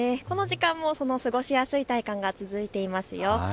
この時間も過ごしやすい体感が続いています。